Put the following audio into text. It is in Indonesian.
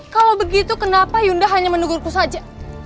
kalau begitu kenapa yunda hanya menegurku saja